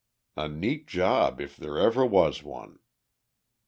A neat job, if there ever was one.